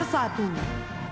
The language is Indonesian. brigada tiga upacara